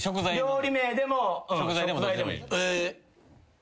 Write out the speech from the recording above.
料理名でも食材でも。